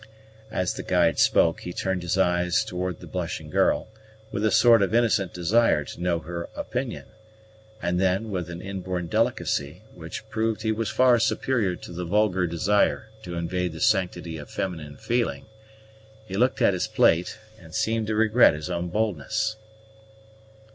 As the guide spoke, he turned his eyes towards the blushing girl, with a sort of innocent desire to know her opinion; and then, with an inborn delicacy, which proved he was far superior to the vulgar desire to invade the sanctity of feminine feeling, he looked at his plate, and seemed to regret his own boldness.